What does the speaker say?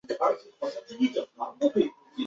卡文拿在家乡球队泰拿华斯巴达出道。